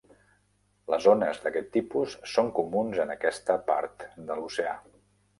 Les ones d'aquest tipus són comuns en aquesta part de l'oceà.